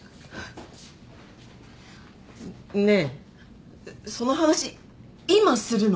ねえその話今するの？